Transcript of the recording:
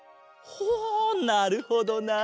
ほうなるほどなあ。